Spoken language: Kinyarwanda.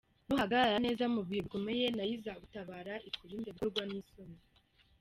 Nuhagarara neza mu bihe bikomeye na yo izagutabara ikurinde gukorwa n’isoni.